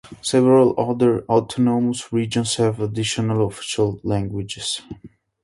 Several other autonomous regions have additional official languages.